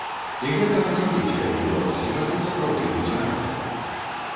І гэта можа быць, калі беларускі народ сапраўды будзе разам.